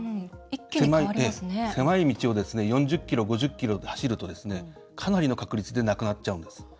狭い道を４０キロ、５０キロで走るとかなりの確率で亡くなっちゃうんです。